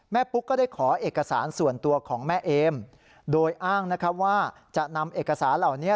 ปุ๊กก็ได้ขอเอกสารส่วนตัวของแม่เอมโดยอ้างนะครับว่าจะนำเอกสารเหล่านี้